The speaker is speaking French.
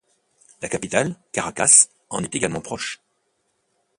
La capitale, Caracas en est également proche.